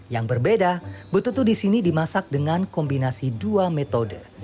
yang berbeda betutu di sini dimasak dengan kombinasi dua metode